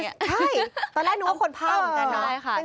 ใช่ตอนแรกนึกว่าคนภาคเหมือนกันเนาะ